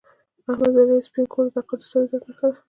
احمد وویل سپین کور د تقدس او عزت نښه ده.